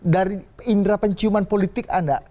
dari indera penciuman politik anda